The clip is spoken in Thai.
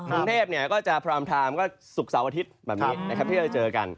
กรุงเทพก็จะพร้อมไทม์ก็ศุกร์เสาร์อาทิตย์แบบนี้นะครับที่เราเจอกัน